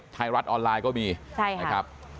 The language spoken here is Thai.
ไทยรัฐออนไลน์ก็มีนะครับ